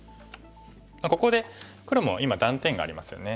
ここで黒も今断点がありますよね。